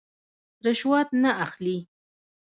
رشوت نه اخلي.